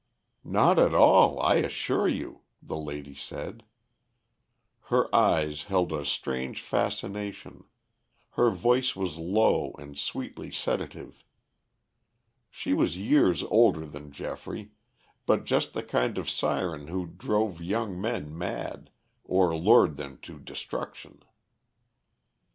"Not at all, I assure you," the lady said. Her eyes held a strange fascination; her voice was low and sweetly sedative. She was years older than Geoffrey, but just the kind of siren who drove young men mad, or lured them to destruction.